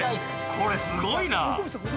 これすごいな！